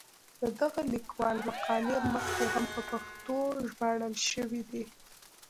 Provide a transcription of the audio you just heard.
د دغه لیکوال مقالې مخکې هم په پښتو ژباړل شوې دي.